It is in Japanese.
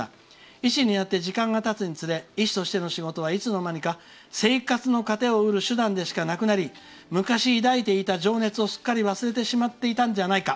医師になって時間がたつにつれ医師としての仕事はいつの間にか生活の糧を得る手段でしかなくなり昔、抱いていた情熱をすっかり忘れてしまっていたんじゃないか。